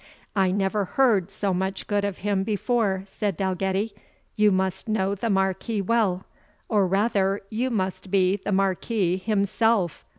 "I never heard so much good of him before," said Dalgetty; "you must know the Marquis well, or rather you must be the Marquis himself!